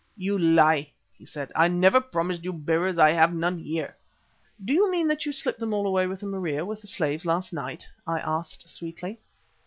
"You lie," he said. "I never promised you bearers; I have none here." "Do you mean that you shipped them all away in the Maria with the slaves last night?" I asked, sweetly.